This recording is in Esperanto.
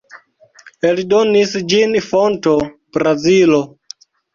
Eldonis ĝin Fonto, Brazilo.